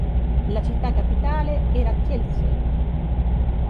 La città capitale era Kielce.